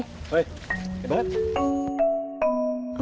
เฮ้ยไอ้เบิร์ท